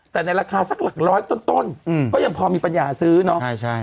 แต่ในราคาสักหลักร้อยต้นก็ยังพอมีปัญญาซื้อเนาะ